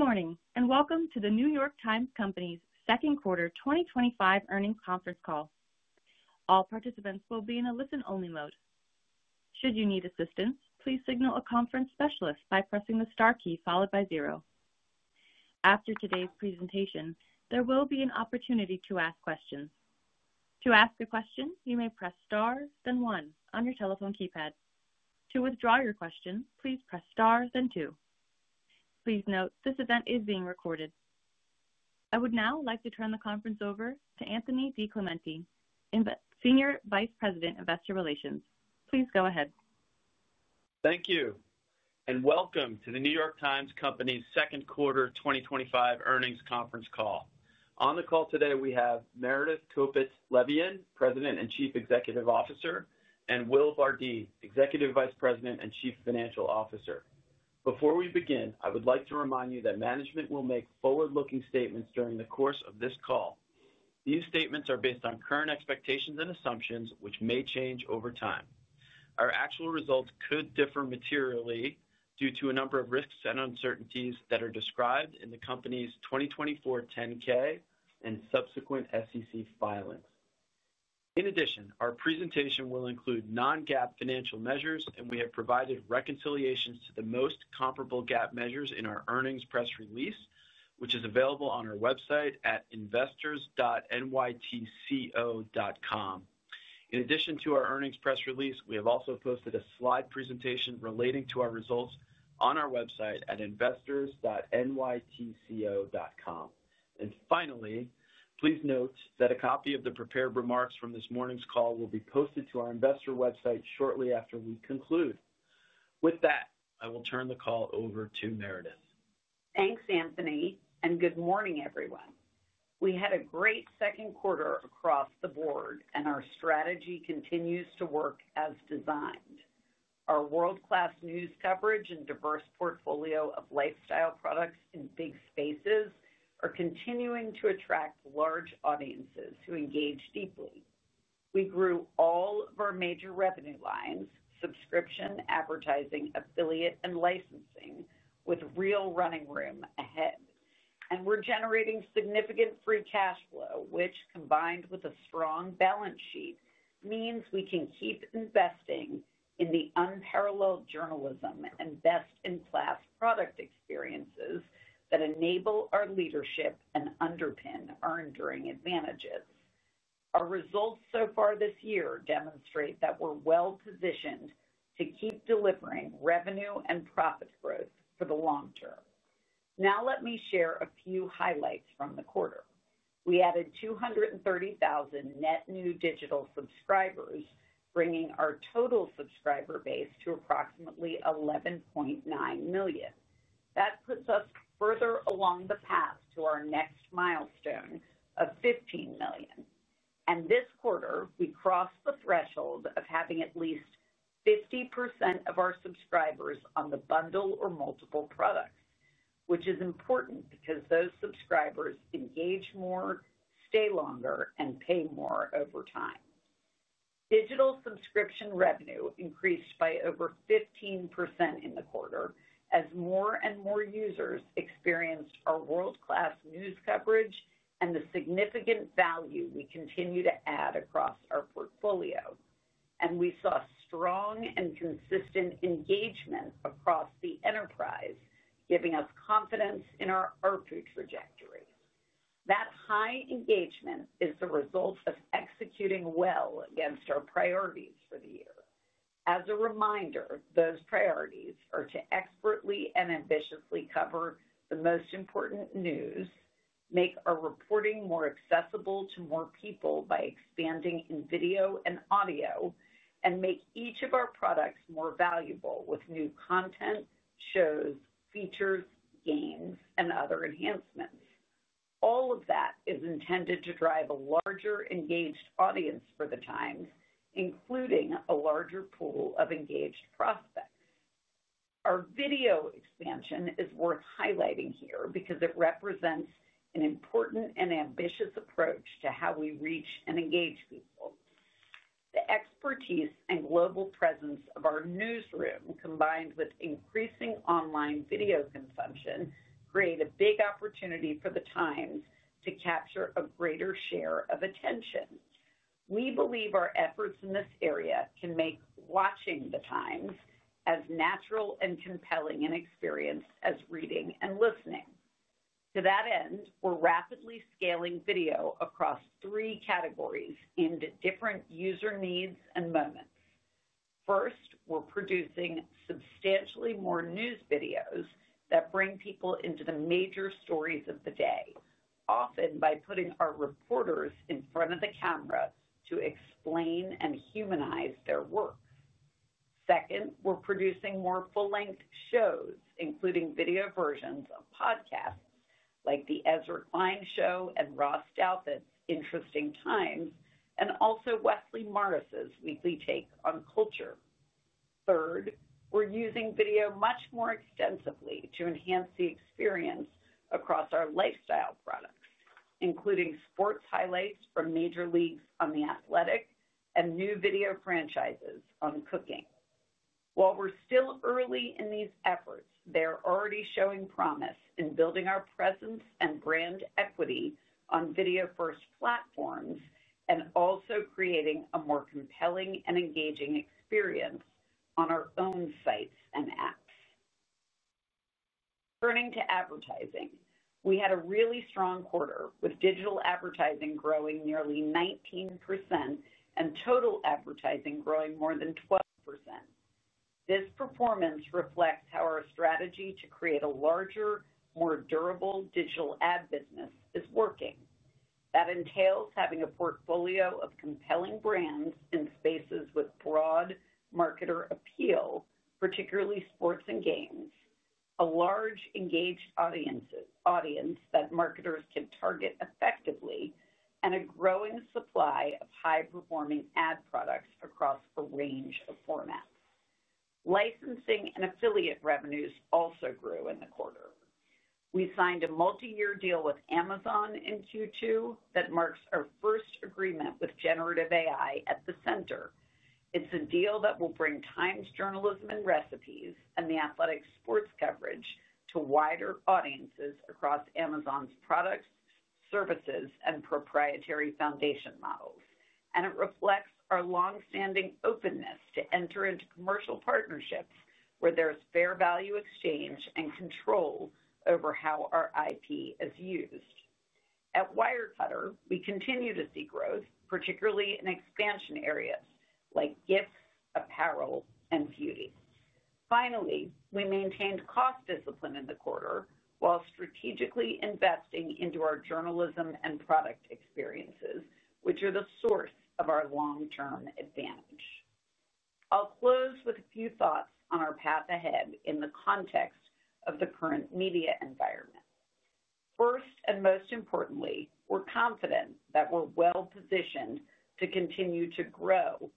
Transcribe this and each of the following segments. Good morning and welcome to The New York Times Company's second quarter 2025 earnings conference call. All participants will be in a listen-only mode. Should you need assistance, please signal a conference specialist by pressing the star key followed by zero. After today's presentation, there will be an opportunity to ask questions. To ask a question, you may press star, then one on your telephone keypad. To withdraw your question, please press star, then two. Please note this event is being recorded. I would now like to turn the conference over to Anthony DiClemente, Senior Vice President, investor Relations. Please go ahead. Thank you and welcome to The New York Times Company's second quarter 2025 earnings conference call. On the call today, we have Meredith Kopit Levien, President and Chief Executive Officer, and Will Bardeen, Executive Vice President and Chief Financial Officer. Before we begin, I would like to remind you that management will make forward-looking statements during the course of this call. These statements are based on current expectations and assumptions, which may change over time. Our actual results could differ materially due to a number of risks and uncertainties that are described in the company's 2024 10-K and subsequent SEC filings. In addition, our presentation will include non-GAAP financial measures, and we have provided reconciliations to the most comparable GAAP measures in our earnings press release, which is available on our website at investors.nytco.com. In addition to our earnings press release, we have also posted a slide presentation relating to our results on our website at investors.nytco.com. Finally, please note that a copy of the prepared remarks from this morning's call will be posted to our investor website shortly after we conclude. With that, I will turn the call over to Meredith. Thanks, Anthony, and good morning, everyone. We had a great second quarter across the board, and our strategy continues to work as designed. Our world-class news coverage and diverse portfolio of lifestyle products in big spaces are continuing to attract large audiences who engage deeply. We grew all of our major revenue lines, subscription, advertising, affiliate, and licensing, with real running room ahead. We are generating significant free cash flow, which, combined with a strong balance sheet, means we can keep investing in the unparalleled journalism and best-in-class product experiences that enable our leadership and underpin our enduring advantages. Our results so far this year demonstrate that we are well-positioned to keep delivering revenue and profit growth for the long term. Now, let me share a few highlights from the quarter. We added 230,000 net new digital subscribers, bringing our total subscriber base to approximately 11.9 million. That puts us further along the path to our next milestone of 15 million. This quarter, we crossed the threshold of having at least 50% of our subscribers on the bundle or multiple product, which is important because those subscribers engage more, stay longer, and pay more over time. Digital subscription revenue increased by over 15% in the quarter as more and more users experienced our world-class news coverage and the significant value we continue to add across our portfolio. We saw strong and consistent engagement across the enterprise, giving us confidence in our ARPU trajectory. That high engagement is the result of executing well against our priorities for the year. As a reminder, those priorities are to expertly and ambitiously cover the most important news, make our reporting more accessible to more people by expanding in video and audio, and make each of our products more valuable with new content, shows, features, games, and other enhancements. All of that is intended to drive a larger engaged audience for The New York Times, including a larger pool of engaged prospects. Our Video expansion is worth highlighting here because it represents an important and ambitious approach to how we reach and engage people. The expertise and global presence of our newsroom, combined with increasing online video consumption, create a big opportunity for The New York Times to capture a greater share of attention. We believe our efforts in this area can make watching The Times as natural and compelling an experience as reading and listening. To that end, we're rapidly scaling Video across three categories aimed at different user needs and moments. First, we're producing substantially more news videos that bring people into the major stories of the day, often by putting our reporters in front of the camera to explain and humanize their work. Second, we're producing more full-length shows, including video versions of podcasts like The Ezra Klein Show and Ross Douthat's Interesting Times, and also Wesley Morris's weekly take on culture. Third, we're using video much more extensively to enhance the experience across our lifestyle products, including sports highlights from major leagues on The Athletic and new video franchises on Cooking. Wh`ile we're still early in these efforts, they're already showing promise in building our presence and brand equity on video-first platforms and also creating a more compelling and engaging experience on our own sites and apps. Turning to advertising, we had a really strong quarter, with digital advertising growing nearly 19% and total advertising growing more than 12%. This performance reflects how our strategy to create a larger, more durable digital ad business is working. That entails having a portfolio of compelling brands in spaces with broad marketer appeal, particularly sports and games, a large engaged audience that marketers can target effectively, and a growing supply of high-performing ad products across a range of formats. Licensing and affiliate revenues also grew in the quarter. We signed a multi-year deal with Amazon in Q2 that marks our first agreement with generative AI at the center. It's a deal that will bring Times journalism and recipes and The Athletic sports coverage to wider audiences across Amazon's products, services, and proprietary foundation models. It reflects our longstanding openness to enter into commercial partnerships where there's fair value exchange and control over how our IP is used. At Wirecutter, we continue to see growth, particularly in expansion areas like gifts, apparel, and beauty. Finally, we maintained cost discipline in the quarter while strategically investing into our journalism and product experiences, which are the source of our long-term advantage. I'll close with a few thoughts on our path ahead in the context of the current media environment. First and most importantly, we're confident that we're well-positioned to continue to grow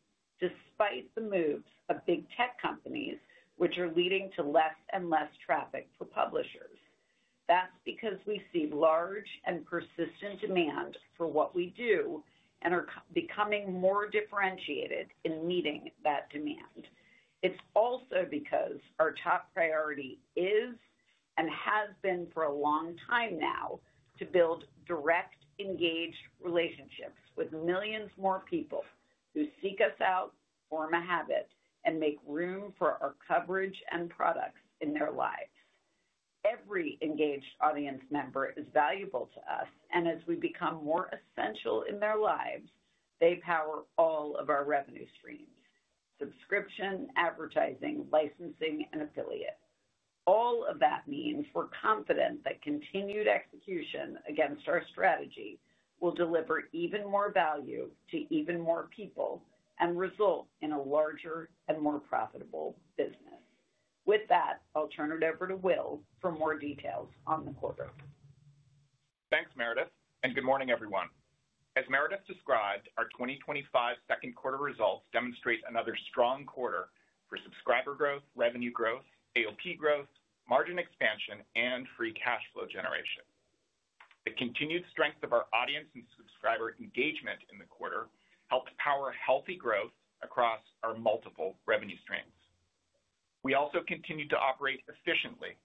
despite the moves of big tech companies, which are leading to less and less traffic for publishers. That's because we see large and persistent demand for what we do and are becoming more differentiated in meeting that demand. It's also because our top priority is and has been for a long time now to build direct, engaged relationships with millions more people who seek us out, form a habit, and make room for our coverage and products in their lives. Every engaged audience member is valuable to us, and as we become more essential in their lives, they power all of our revenue streams: subscription, advertising, licensing, and affiliate. All of that means we're confident that continued execution against our strategy will deliver even more value to even more people and result in a larger and more profitable business. With that, I'll turn it over to Will for more details on the quarter. Thanks, Meredith, and good morning, everyone. As Meredith described, our 2025 second quarter results demonstrate another strong quarter for subscriber growth, revenue growth, AOP growth, margin expansion, and free cash flow generation. The continued strength of our audience and subscriber engagement in the quarter helped power healthy growth across our multiple revenue streams. We also continued to operate efficiently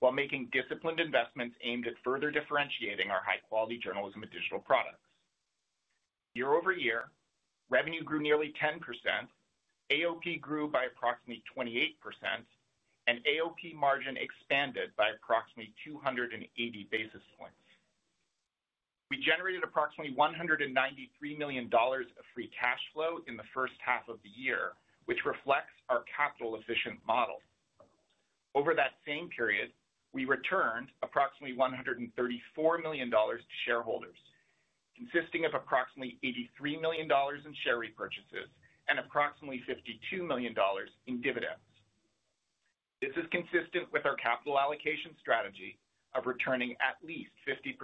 while making disciplined investments aimed at further differentiating our high-quality journalism and digital products. Year-over-year, revenue grew nearly 10%, AOP grew by approximately 28%, and AOP margin expanded by approximately 280 basis points. We generated approximately $193 million of free cash flow in the first half of the year, which reflects our capital-efficient model. Over that same period, we returned approximately $134 million to shareholders, consisting of approximately $83 million in share repurchases and approximately $52 million in dividends. This is consistent with our capital allocation strategy of returning at least 50%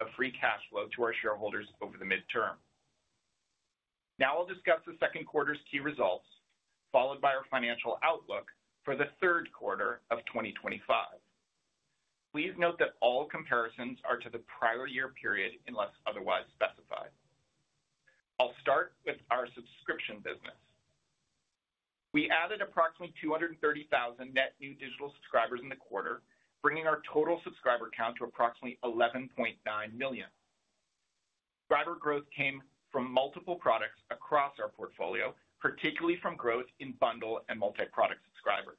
of free cash flow to our shareholders over the midterm. Now I'll discuss the second quarter's key results, followed by our financial outlook for the third quarter of 2025. Please note that all comparisons are to the prior year period unless otherwise specified. I'll start with our subscription business. We added approximately 230,000 net new digital subscribers in the quarter, bringing our total subscriber count to approximately 11.9 million. Subscriber growth came from multiple products across our portfolio, particularly from growth in bundle and multi-product subscribers.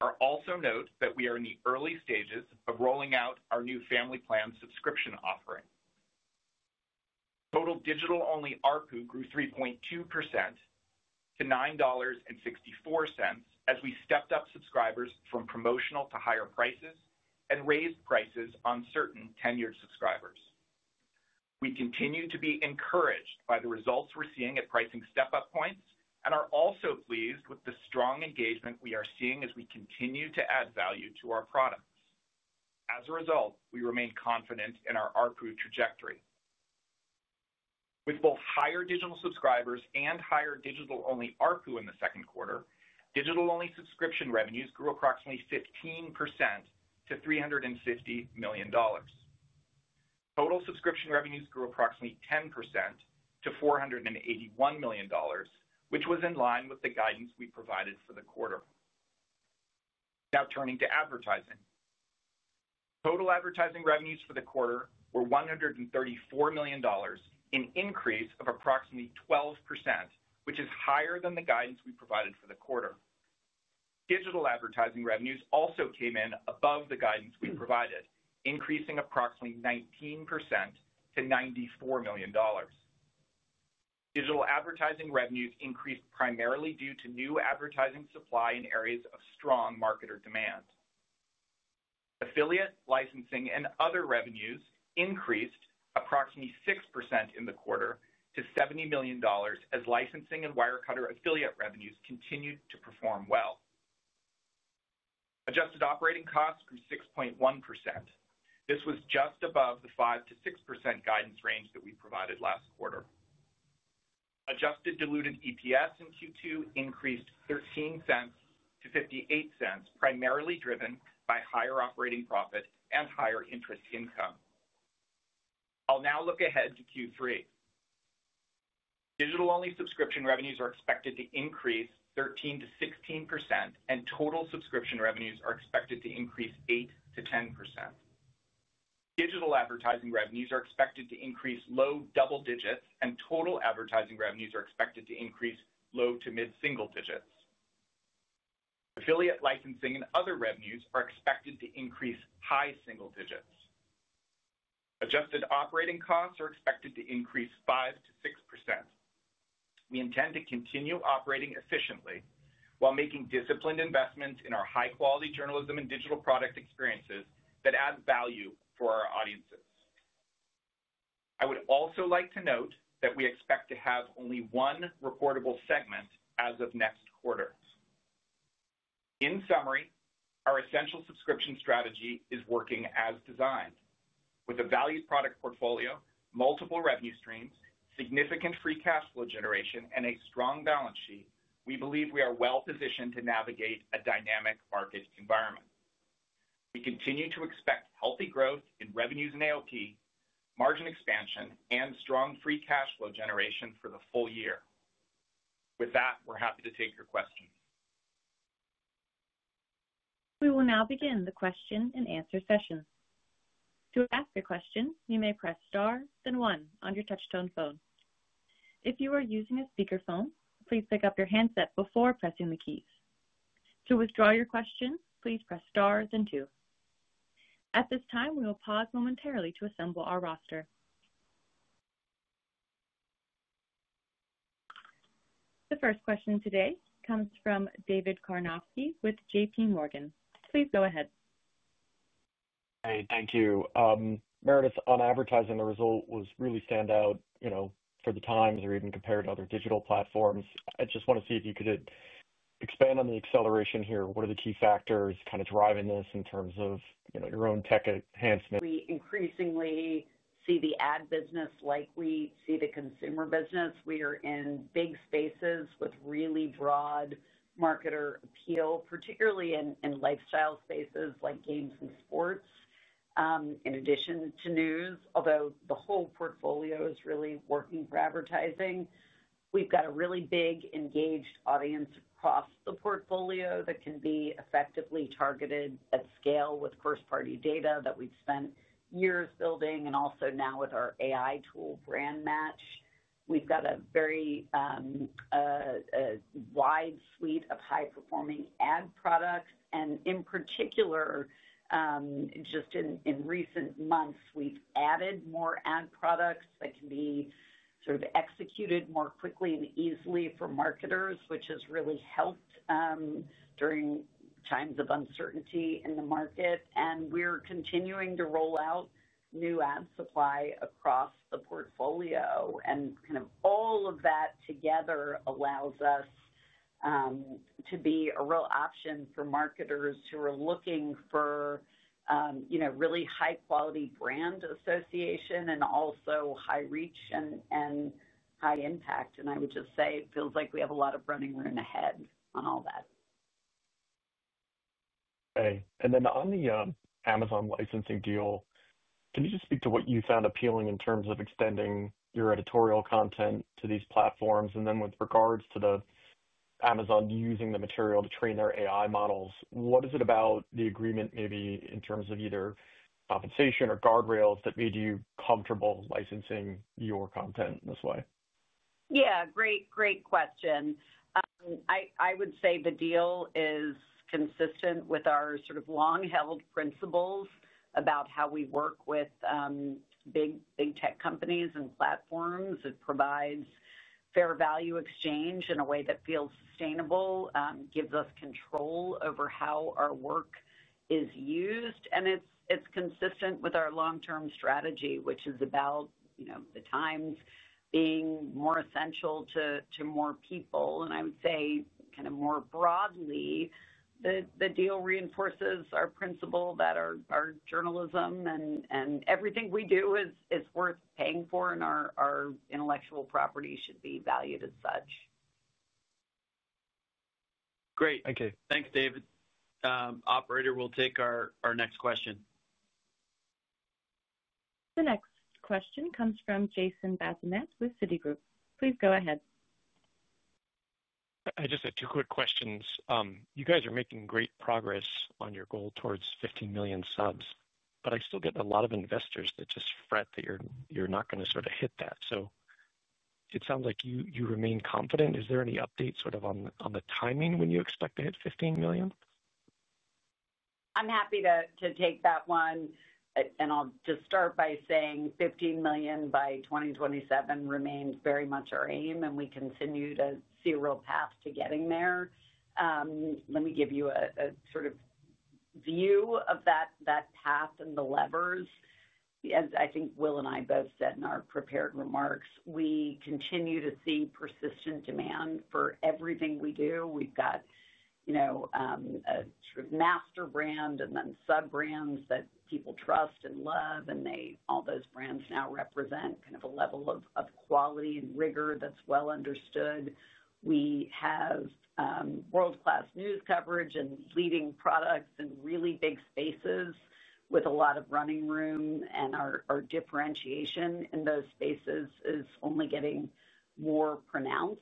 I'll also note that we are in the early stages of rolling out our new family plan subscription offering. Total digital-only ARPU grew 3.2% to $9.64 as we stepped up subscribers from promotional to higher prices and raised prices on certain tenured subscribers. We continue to be encouraged by the results we're seeing at pricing step-up points and are also pleased with the strong engagement we are seeing as we continue to add value to our products. As a result, we remain confident in our ARPU trajectory. With both higher digital subscribers and higher digital-only ARPU in the second quarter, digital-only subscription revenues grew approximately 15% to $350 million. Total subscription revenues grew approximately 10% to $481 million, which was in line with the guidance we provided for the quarter. Now turning to advertising. Total advertising revenues for the quarter were $134 million, an increase of approximately 12%, which is higher than the guidance we provided for the quarter. Digital advertising revenues also came in above the guidance we provided, increasing approximately 19% to $94 million. Digital advertising revenues increased primarily due to new advertising supply in areas of strong marketer demand. Affiliate, licensing, and other revenues increased approximately 6% in the quarter to $70 million as licensing and Wirecutter affiliate revenues continued to perform well. Adjusted operating costs grew 6.1%. This was just above the 5%-6% guidance range that we provided last quarter. Adjusted diluted EPS in Q2 increased $0.13 to $0.58, primarily driven by higher operating profit and higher interest income. I'll now look ahead to Q3. Digital-only subscription revenues are expected to increase 13% to 16%, and total subscription revenues are expected to increase 8% to 10%. Digital advertising revenues are expected to increase low double digits, and total advertising revenues are expected to increase low to mid-single digits. Affiliate licensing and other revenues are expected to increase high single digits. Adjusted operating costs are expected to increase 5% to 6%. We intend to continue operating efficiently while making disciplined investments in our high-quality journalism and digital product experiences that add value for our audiences. I would also like to note that we expect to have only one recordable segment as of next quarter. In summary, our essential subscription strategy is working as designed. With a valued product portfolio, multiple revenue streams, significant free cash flow generation, and a strong balance sheet, we believe we are well-positioned to navigate a dynamic market environment. We continue to expect healthy growth in revenues and AOP margin expansion and strong free cash flow generation for the full year. With that, we're happy to take your questions. We will now begin the question and answer session. To ask a question, you may press star, then one on your touch-tone phone. If you are using a speakerphone, please pick up your handset before pressing the keys. To withdraw your question, please press star, then two. At this time, we will pause momentarily to assemble our roster. The first question today comes from David Karnovsky with JPMorgan. Please go ahead. Hey, thank you. Meredith, on advertising, the result was really standout, you know, for The New York Times or even compared to other digital platforms. I just want to see if you could expand on the acceleration here. What are the key factors driving this in terms of your own tech enhancement? We increasingly see the ad business like we see the consumer business. We are in big spaces with really broad marketer appeal, particularly in lifestyle spaces like games and sports, in addition to news. Although the whole portfolio is really working for advertising, we've got a really big engaged audience across the portfolio that can be effectively targeted at scale with first-party data that we've spent years building, and also now with our AI tool Brand Match. We've got a very wide suite of high-performing ad products, and in particular, just in recent months, we've added more ad products that can be sort of executed more quickly and easily for marketers, which has really helped during times of uncertainty in the market. We're continuing to roll out new ad supply across the portfolio, and all of that together allows us to be a real option for marketers who are looking for, you know, really high-quality brand association and also high reach and high impact. I would just say it feels like we have a lot of running room ahead on all that. Hey, on the Amazon licensing deal, can you just speak to what you found appealing in terms of extending your editorial content to these platforms? With regards to Amazon using the material to train their AI models, what is it about the agreement, maybe in terms of either compensation or guardrails, that made you comfortable licensing your content in this way? Great question. I would say the deal is consistent with our sort of long-held principles about how we work with big tech companies and platforms. It provides fair value exchange in a way that feels sustainable, gives us control over how our work is used, and it's consistent with our long-term strategy, which is about, you know, The New York Times being more essential to more people. I would say kind of more broadly, the deal reinforces our principle that our journalism and everything we do is worth paying for, and our intellectual property should be valued as such. Great. Okay, thanks, David. Operator, we'll take our next question. The next question comes from Jason Bazinet with Citigroup. Please go ahead. I just had two quick questions. You guys are making great progress on your goal towards 15 million subs, but I still get a lot of investors that fret that you're not going to hit that. It sounds like you remain confident. Is there any update on the timing when you expect to hit 15 million? I'm happy to take that one, and I'll just start by saying $15 million by 2027 remains very much our aim, and we continue to see a real path to getting there. Let me give you a sort of view of that path and the levers. As I think Will and I both said in our prepared remarks, we continue to see persistent demand for everything we do. We've got a sort of master brand and then sub-brands that people trust and love, and all those brands now represent a level of quality and rigor that's well understood. We have world-class news coverage and leading products in really big spaces with a lot of running room, and our differentiation in those spaces is only getting more pronounced.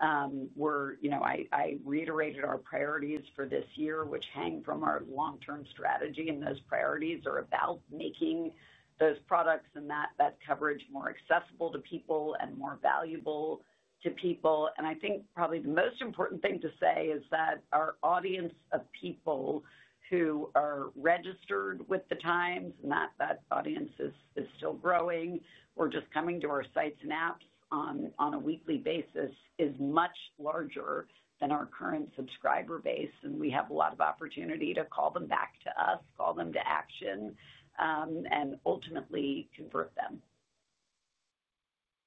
I reiterated our priorities for this year, which hang from our long-term strategy, and those priorities are about making those products and that coverage more accessible to people and more valuable to people. I think probably the most important thing to say is that our audience of people who are registered with The New York Times, and that audience is still growing or just coming to our sites and apps on a weekly basis, is much larger than our current subscriber base, and we have a lot of opportunity to call them back to us, call them to action, and ultimately convert them.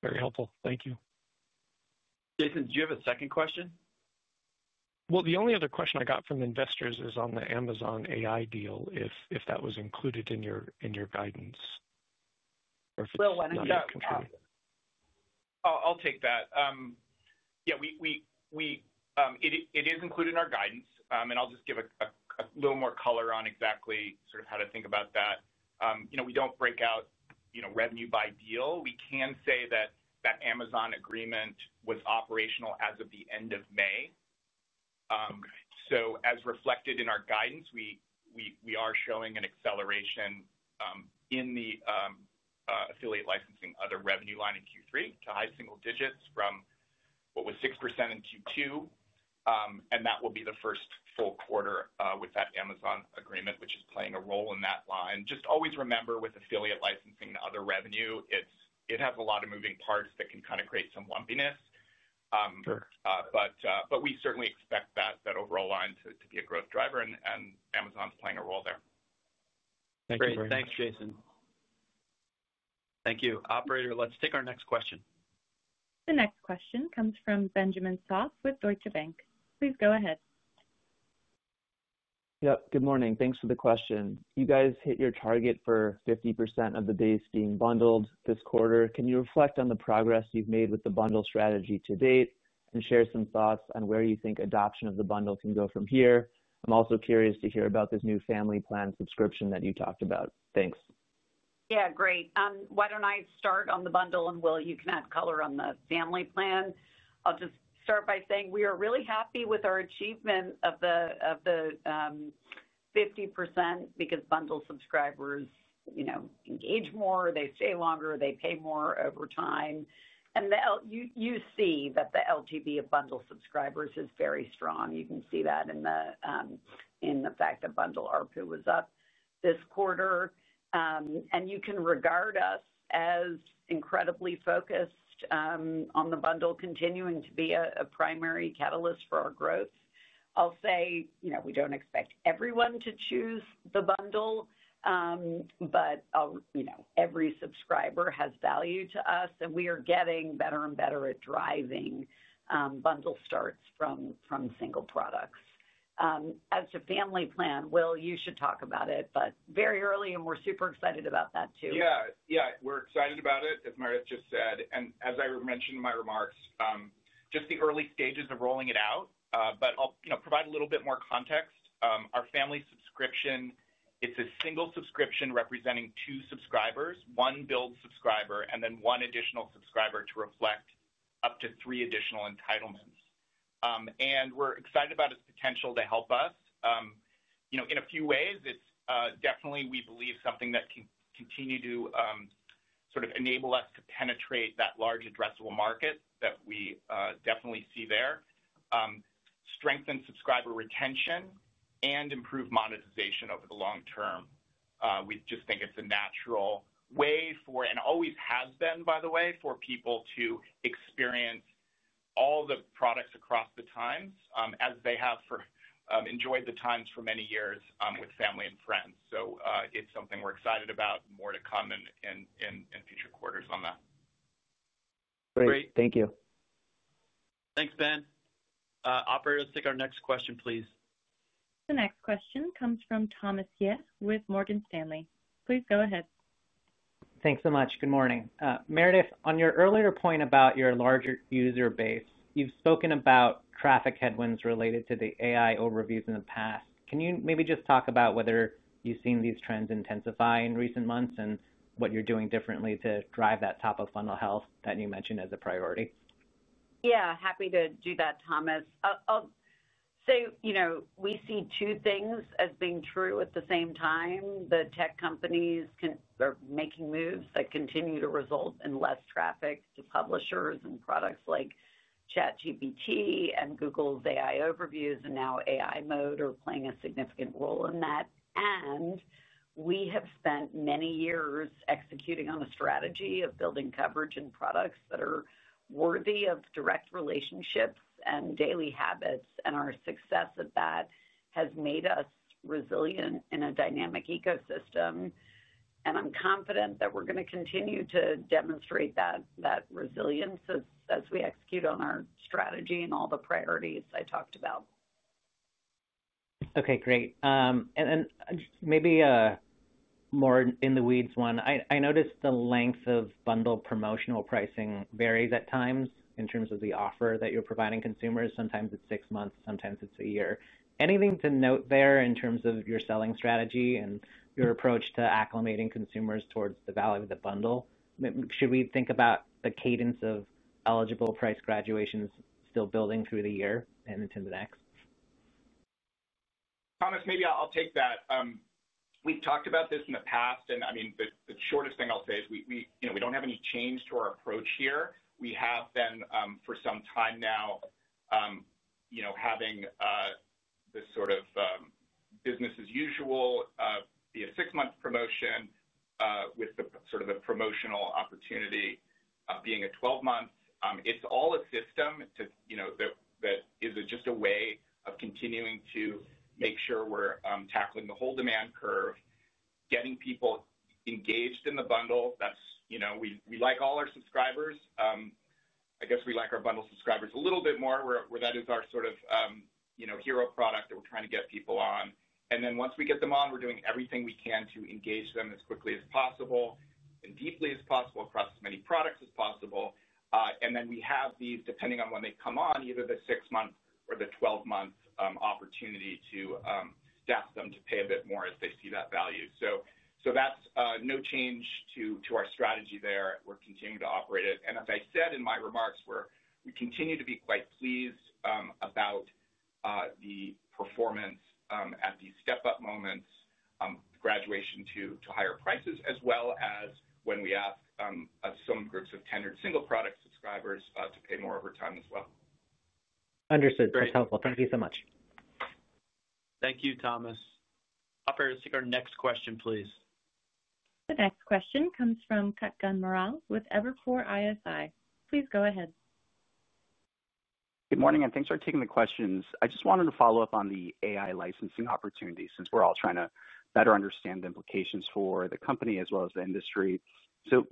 Very helpful. Thank you. Jason, do you have a second question? The only other question I got from investors is on the Amazon generative AI deal, if that was included in your guidance. Will, why don't you go? I'll take that. Yeah, it is included in our guidance, and I'll just give a little more color on exactly sort of how to think about that. You know, we don't break out revenue by deal. We can say that that Amazon agreement was operational as of the end of May. As reflected in our guidance, we are showing an acceleration in the affiliate licensing other revenue line in Q3 to high single digits from what was 6% in Q2, and that will be the first full quarter with that Amazon agreement, which is playing a role in that line. Just always remember with affiliate licensing and other revenue, it has a lot of moving parts that can kind of create some lumpiness. We certainly expect that overall line to be a growth driver, and Amazon's playing a role there. Thanks, Jason. Thank you. Operator, let's take our next question. The next question comes from Benjamin Soff with Deutsche Bank. Please go ahead. Yeah, good morning. Thanks for the question. You guys hit your target for 50% of the base being bundled this quarter. Can you reflect on the progress you've made with the bundle strategy to date and share some thoughts on where you think adoption of the bundle can go from here? I'm also curious to hear about this new family plan subscription that you talked about. Thanks. Yeah, great. Why don't I start on the bundle, and Will, you can add color on the family plan. I'll just start by saying we are really happy with our achievement of the 50% because bundle subscribers, you know, engage more, they stay longer, they pay more over time. You see that the LTV of bundle subscribers is very strong. You can see that in the fact that bundle ARPU was up this quarter. You can regard us as incredibly focused on the bundle, continuing to be a primary catalyst for our growth. I'll say, you know, we don't expect everyone to choose the bundle, but you know, every subscriber has value to us, and we are getting better and better at driving bundle starts from single products. As to family plan, Will, you should talk about it, but very early, and we're super excited about that too. Yeah, we're excited about it, as Meredith just said. As I mentioned in my remarks, just the early stages of rolling it out. I'll provide a little bit more context. Our family subscription is a single subscription representing two subscribers, one billed subscriber, and then one additional subscriber to reflect up to three additional entitlements. We're excited about its potential to help us in a few ways. It's definitely, we believe, something that can continue to enable us to penetrate that large addressable market that we definitely see there, strengthen subscriber retention, and improve monetization over the long term. We just think it's a natural way for, and always has been, by the way, for people to experience all the products across The New York Times, as they have enjoyed The New York Times for many years with family and friends. It's something we're excited about, more to come in future quarters on that. Great, thank you. Thanks, Ben. Operator, let's take our next question, please. The next question comes from Thomas Yeh with Morgan Stanley. Please go ahead. Thanks so much. Good morning. Meredith, on your earlier point about your larger user base, you've spoken about traffic headwinds related to the AI overviews in the past. Can you maybe just talk about whether you've seen these trends intensify in recent months and what you're doing differently to drive that top of funnel health that you mentioned as a priority? Yeah, happy to do that, Thomas. I'll say, you know, we see two things as being true at the same time. The tech companies are making moves that continue to result in less traffic to publishers and products like ChatGPT and Google's AI overviews, and now AI mode are playing a significant role in that. We have spent many years executing on a strategy of building coverage and products that are worthy of direct relationships and daily habits, and our success at that has made us resilient in a dynamic ecosystem. I'm confident that we're going to continue to demonstrate that resilience as we execute on our strategy and all the priorities I talked about. Okay, great. Maybe a more in the weeds one, I noticed the length of bundle promotional pricing varies at times in terms of the offer that you're providing consumers. Sometimes it's six months, sometimes it's a year. Anything to note there in terms of your selling strategy and your approach to acclimating consumers towards the value of the bundle? Should we think about the cadence of eligible price graduations still building through the year and into the next? Thomas, maybe I'll take that. We've talked about this in the past. The shortest thing I'll say is we don't have any change to our approach here. We have been for some time now having this sort of business as usual be a six-month promotion with a promotional opportunity being a 12-month. It's all a system that is just a way of continuing to make sure we're tackling the whole demand curve, getting people engaged in the bundle. We like all our subscribers. I guess we like our bundle subscribers a little bit more where that is our hero product that we're trying to get people on. Once we get them on, we're doing everything we can to engage them as quickly as possible and as deeply as possible across as many products as possible. We have these, depending on when they come on, either the six-month or the 12-month opportunity to ask them to pay a bit more if they see that value. There's no change to our strategy there. We're continuing to operate it. As I said in my remarks, we continue to be quite pleased about the performance at these step-up moments, the graduation to higher prices, as well as when we ask some groups of tenured single product subscribers to pay more over time as well. Understood. That's helpful. Thank you so much. Thank you, Thomas. Operator, let's take our next question, please. The next question comes from Kannan Venkateshwar with Barclays Bank. Please go ahead. Good morning, and thanks for taking the questions. I just wanted to follow up on the AI licensing opportunity since we're all trying to better understand the implications for the company as well as the industry. Can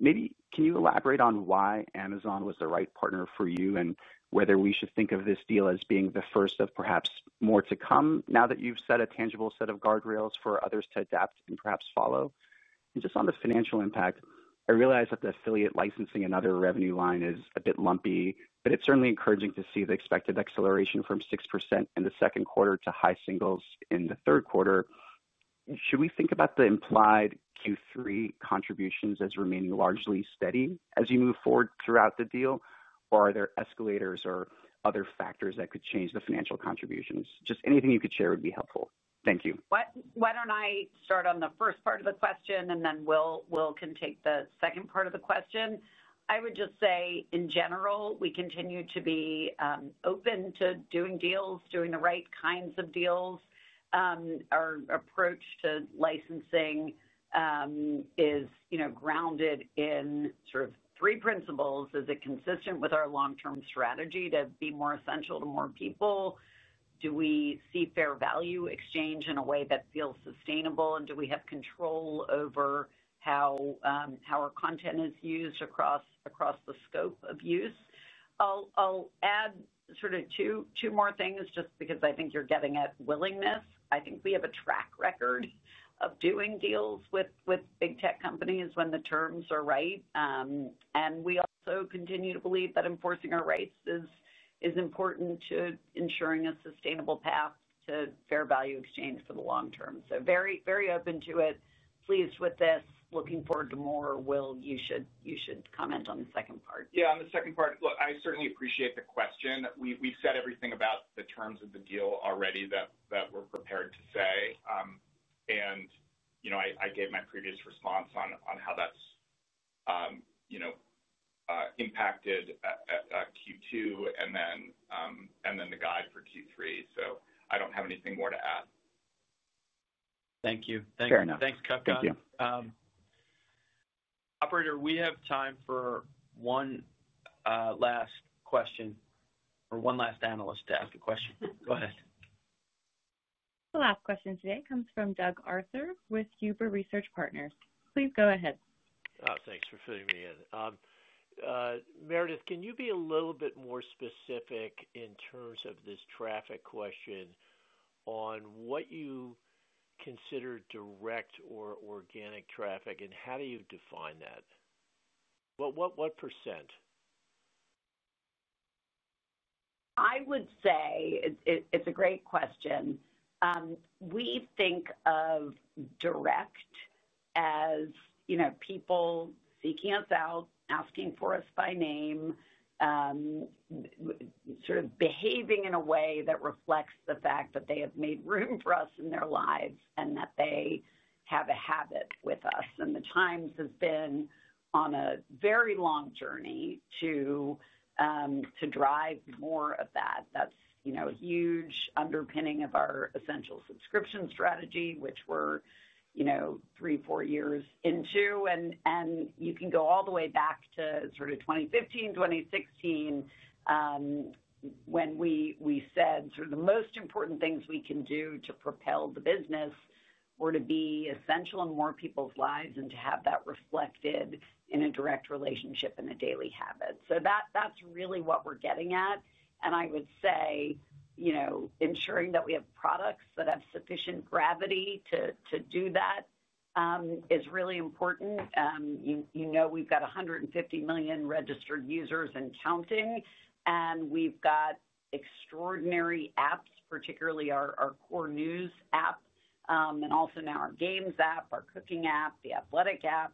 you elaborate on why Amazon was the right partner for you and whether we should think of this deal as being the first of perhaps more to come now that you've set a tangible set of guardrails for others to adapt and perhaps follow? On the financial impact, I realize that the affiliate licensing and other revenue line is a bit lumpy, but it's certainly encouraging to see the expected acceleration from 6% in the second quarter to high singles in the third quarter. Should we think about the implied Q3 contributions as remaining largely steady as you move forward throughout the deal, or are there escalators or other factors that could change the financial contributions? Anything you could share would be helpful. Thank you. Why don't I start on the first part of the question, and then Will can take the second part of the question? I would just say, in general, we continue to be open to doing deals, doing the right kinds of deals. Our approach to licensing is grounded in sort of three principles. Is it consistent with our long-term strategy to be more essential to more people? Do we see fair value exchange in a way that feels sustainable, and do we have control over how our content is used across the scope of use? I'll add sort of two more things just because I think you're getting at willingness. I think we have a track record of doing deals with big tech companies when the terms are right. We also continue to believe that enforcing our rights is important to ensuring a sustainable path to fair value exchange for the long term. Very, very open to it, pleased with this, looking forward to more. Will, you should comment on the second part. Yeah, on the second part, I certainly appreciate the question. We've said everything about the terms of the deal already that we're prepared to say. I gave my previous response on how that's impacted Q2 and then the guide for Q3. I don't have anything more to add. Thank you. Thanks, Kannan. Yeah. Operator, we have time for one last question or one last analyst to ask a question. Go ahead. The last question today comes from Douglas Arthur with Huber Research Patner. Please go ahead. Thanks for fitting me in. Meredith, can you be a little bit more specific in terms of this traffic question on what you consider direct or organic traffic, and how do you define that? What percent? I would say it's a great question. We think of direct as, you know, people seeking us out, asking for us by name, sort of behaving in a way that reflects the fact that they have made room for us in their lives and that they have a habit with us. The Times has been on a very long journey to drive more of that. That's a huge underpinning of our essential subscription strategy, which we're three, four years into. You can go all the way back to 2015, 2016, when we said the most important things we can do to propel the business were to be essential in more people's lives and to have that reflected in a direct relationship and a daily habit. That's really what we're getting at. I would say ensuring that we have products that have sufficient gravity to do that is really important. We've got 150 million registered users and counting, and we've got extraordinary apps, particularly our core News App, and also now our Games app, our Cooking app, The Athletic app.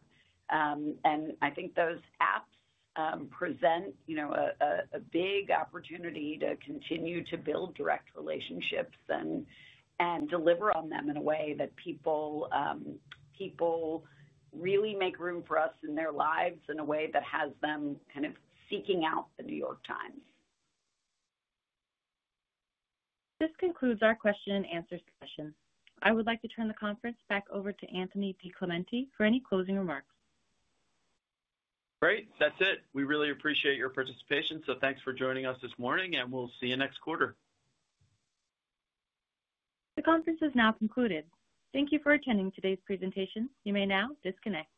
I think those apps present a big opportunity to continue to build direct relationships and deliver on them in a way that people really make room for us in their lives in a way that has them kind of seeking out The New York Times. This concludes our question and answer session. I would like to turn the conference back over to Anthony DiClemente for any closing remarks. Great. That's it. We really appreciate your participation. Thanks for joining us this morning, and we'll see you next quarter. The conference is now concluded. Thank you for attending today's presentation. You may now disconnect.